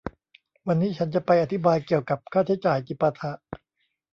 วันนี้ฉันจะไปอธิบายเกี่ยวกับค่าใช้จ่ายจิปาถะ